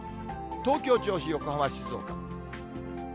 東京、銚子、横浜、静岡。